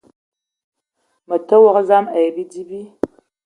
Me te wok zam ayi bidi bi.